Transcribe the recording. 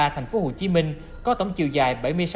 thành phố hồ chí minh có tổng chiều dài